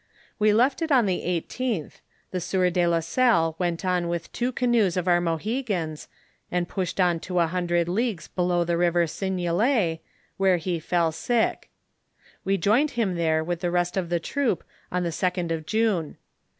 "We left it on the eighteenth, the sieiu' de la Salle went on with two canoes of our Mohegans and pushed on to a hundred leagues below the river Seignelay, where he fell sick. We joined him there with the rest of the troop on the second of June.